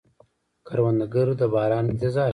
کروندګر د باران انتظار کوي